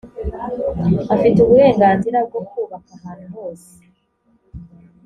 afite uburenganzira bwo kubaka ahantu hose